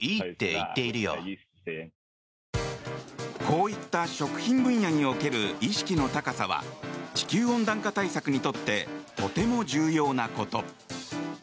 こういった食品分野における意識の高さは地球温暖化対策にとってとても重要なこと。